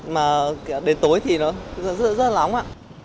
mà đến tối thì nó rất là nóng ạ